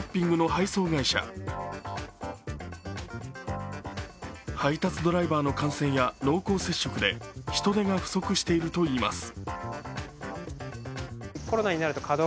配達ドライバーの感染や濃厚接触で人手が不足しているといいます。